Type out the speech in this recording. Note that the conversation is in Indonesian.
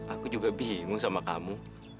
aku juga bingung sama kamu